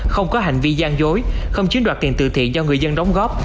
không có hành vi gian dối không chiếm đoạt tiền từ thiện do người dân đóng góp